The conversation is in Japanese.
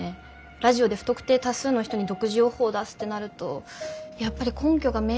ラジオで不特定多数の人に独自予報を出すってなるとやっぱり根拠が明確じゃないと。